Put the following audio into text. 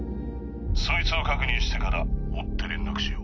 そいつを確認してから追って連絡しよう。